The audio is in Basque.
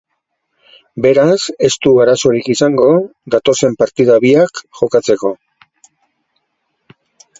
Beraz, ez du arazorik izango datozen partida biak jokatzeko.